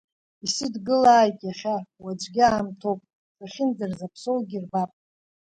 Исыдгылааит иахьа, уаҵәгьы аамҭоуп, сахьынӡарзаԥсоугьы рбап!